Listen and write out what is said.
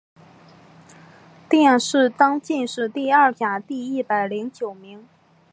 殿试登进士第二甲第一百零九名。